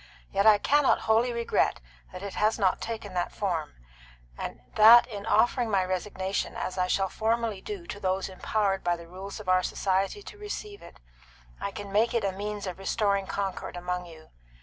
Yet I cannot wholly regret that it has not taken that form, and that in offering my resignation, as I shall formally do to those empowered by the rules of our society to receive it, I can make it a means of restoring concord among you.